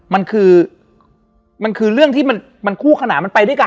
และวันนี้แขกรับเชิญที่จะมาเยี่ยมในรายการสถานีผีดุของเรา